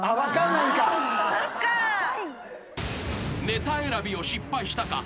［ネタ選びを失敗したか？］